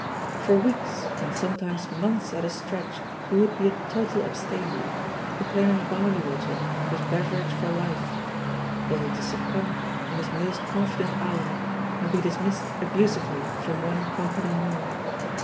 For weeks and sometimes months at a stretch he would be a total abstainer, proclaiming barley water his beverage for life — only to succumb, in his most confident hour, and be dismissed abusively from one company more.